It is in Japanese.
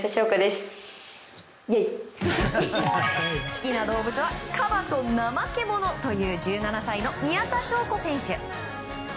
好きな動物はカバとナマケモノという１７歳の宮田笙子選手。